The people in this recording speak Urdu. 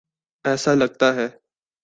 ایسا لگتا ہے۔